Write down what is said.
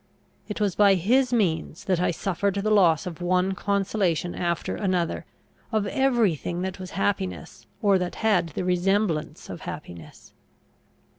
It was by his means that I suffered the loss of one consolation after another, of every thing that was happiness, or that had the resemblance of happiness.